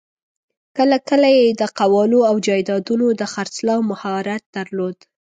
کله کله یې د قوالو او جایدادونو د خرڅلاوو مهارت درلود.